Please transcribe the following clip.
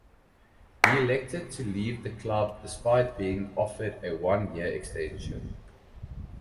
He elected to leave the club despite being offered a one-year extension.